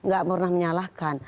gak pernah menyalahkan